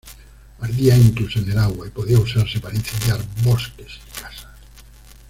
Ardía incluso en el agua y podía usarse para incendiar bosques y casas.